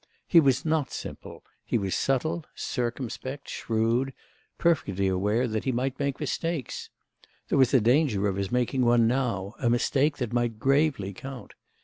He was not simple; he was subtle, circumspect, shrewd—perfectly aware that he might make mistakes. There was a danger of his making one now—a mistake that might gravely count.